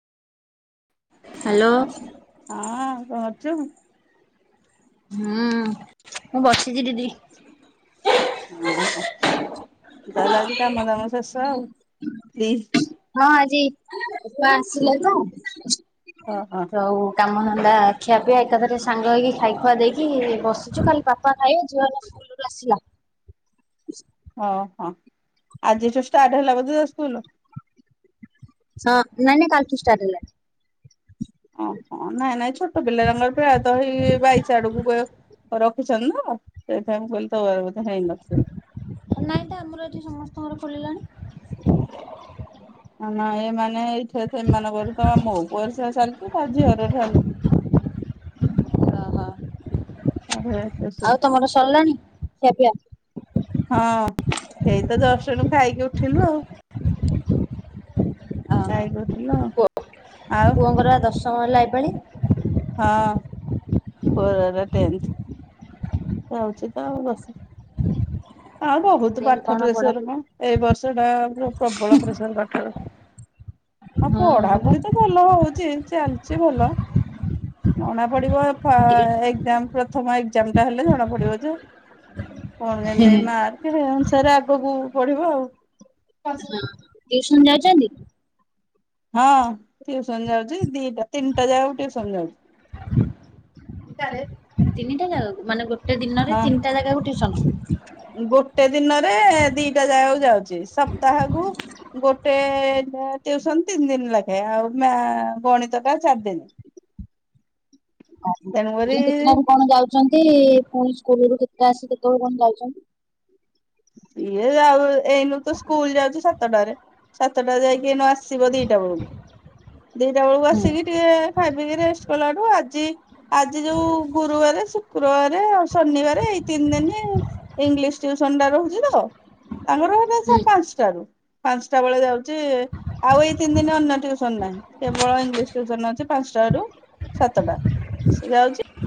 Hello. ହଁ କଣ କରୁଚୁ ହୁଁ ମୁଁ ବସିଛି ଦିଦି। ହଁ ତାହେଲେ ଆଜି କାମ ଦାମ ଶେଷ ଆଉ ପ୍ଲିଜ୍ ହଁ ଆଜି ଛୁଆ ଆସିଲେ ତ ହଁ ହଁ ହଉ କାମଧନ୍ଦା ଖିଆପିଆ ଏକାଥରେ ସାଙ୍ଗ ହେଇକି ଖାଇ ଖୁଆ ଦେଇକି ବସିଛୁ ଖାଲି ବାପା ଖାଇବେ ଝିଅମାନେ ସ୍କୁଲରୁ ଆସିିଲା। ଓହୋ ଆଜିଠୁ ଷ୍ଟାର୍ଟ ହେଲା ବୋଧେ ସ୍କୁଲ। ହଁ ନାଇଁ ନାଇଁ କାଳିଠୁ ଷ୍ଟାଟ୍ ହେଲା ଓହୋ ନାଇଁ ନାଇଁ ଛୋଟ ପିଲାଙ୍କର ଦହି ବାଇଶି ଆଡ଼କୁ କହିବ ରଖିଛନ୍ତି ନା ସେଇଥିପାଇଁ କହିଲି। ତ ହେଇନଥିବ। ନାଇଁ ତ ଆମର ଏଠି ସମସ୍ତଙ୍କର ଖୋଲିଲାଣି। ନା ଏମାନେ ଏଇଠି ସେମାନଙ୍କର ତମ ମୋ ପରିସା ଚାଲିଛି ତା ଝିଅର ଚାଲିଛି ଓହୋ ଆ ରେ। ଆଉ ତମର ସରିଲାଣି ଖିଆ ପିଆ? ହଁ ଏଇ ତ ଜଷ୍ଟ ଏଣୁ ଖାଇକି ଉଠିଲୁ ଆଉ ଓହୋ ଖାଇ କି ଉଠିଲ ପୁଅ ପୁଅଙ୍କର ଦଶମ ହେଲା ଏଇପାଳି। ହଁ। ପୁଅର ଟେନ୍ଥ ଯାଉଛି ତ ଆଉ ସ ହଁ ବହୁତ୍ କେମିତି ପାଠ କଣ ପ୍ରେସର ପଢାପଢି ମ ଏଇ ବର୍ଷଟା ପ୍ରବଳ ପ୍ରେସର ପାଠର ହଁ ପଢାପଢି ତ ଭଲ ହଉଚି ଚାଲିଚି ଭଲ। ନଣା ପଡ଼ିବ ଏପ ଟି ଏଜ ପ୍ରଥମ ଏକ୍ସାମଟା ହେଲେ ଜଣାପଡିବ ଯେ କଣ କେନ୍ତି? ହଁ ମାର୍କେ ଅନୁସାରେ ଆଗକୁ ପଢିବ ଆଉ ହଁ ହଁ ଟିଉସନ ଯାଇଛନ୍ତି? ହଁ ଟ୍ୟୁଉସନ ଯାଉଛି ଦି ତିନିଟା ଯାଗାକୁ ଟ୍ୟୁସନ ଯାଉଛି। ତିନିଟା ଜାଗା ମାନେ ଗୋଟେ ଦିନରେ ହଁ ତିନିଟା ଜାଗାକୁ ଟ୍ୟୁସନ ଗୋଟେ ଦିନରେ ଦିଟା ଜାଗାକୁ ଯାଉଛି ସପ୍ତାହକୁ ଗୋଟେ ଟିଉସନ ତିନି ଦିନ ଲୋଗେ ଆଉ ଗଣିତ ଟା ଚାରି ଦିନ୍ [inaudible] ଓ ମାନେ କେତେଟା ତେଣୁକରି ରୁ କଣ ଯାଉଛି? ପୁଣି ସ୍କୁଲୁ କେତେ ଆସି କେତେବେଳେ କଣ ଯାଉଛନ୍ତି? ସିଏ ଯାଉ ଏଇନାତ ସ୍କୁଲ ଯାଉଚି ସାତଟାରେ। ସାତଟା ଯାଇକି ଏନୁ ଆସିବ ଦିଇଟା ବେଳକୁ ଦିଇଟା ବେଳକୁ ହୁଁ ଆସିକି ଟିକେ ଖାଇପିଇକି ରେଷ୍ଟ କଲାଠୁ ଆଜି ଆଜି ଯୋଉ ଗୁରୁବାରେ ଶୁକ୍ରବାରେ ଆଉ ଶନିବାରେ ଏଇ ତିନଦିନି ଇଂଲିଶ ଟ୍ୟୁସନଟା ରହୁଚି ତ ତାଙ୍କର ହେରା ସେ ହୁଁ। ପାଞ୍ଚ୍ ଟାରୁ ପାଞ୍ଚଟାବେଳେ ଯାଉଚି ଆଉ ଏଇ ତିନଦିନି ଅନ୍ୟ ଟ୍ୟୁସନ୍ ନାହିଁ କେବଳ ଇଂଲିଶ ଟ୍ୟୁସନ୍ ଅଛି ପାଞ୍ଚଟା ଆଡୁ। ସାତଟା ସେ ଯାଉଚି